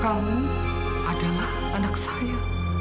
kamu adalah anak saya